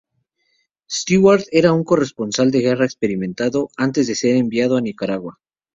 Stewart era un corresponsal de guerra experimentado antes de ser enviado a Nicaragua.